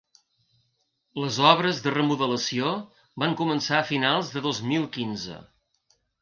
Les obres de remodelació van començar a finals de dos mil quinze.